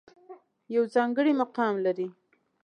يو ځانګړے مقام لري